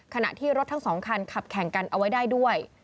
ขณะที่รถทั้ง๒คันขับแข่งกันเอาไว้ได้ด้วย